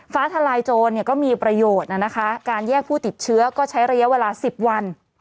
ทลายโจรก็มีประโยชน์นะคะการแยกผู้ติดเชื้อก็ใช้ระยะเวลา๑๐วัน